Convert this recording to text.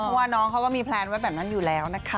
เพราะว่าน้องเขาก็มีแพลนไว้แบบนั้นอยู่แล้วนะคะ